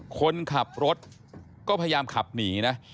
คนขับรถก็พยายามขับหนีนะ